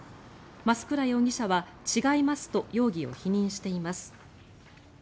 増倉容疑者は、違いますと容疑を否認しています。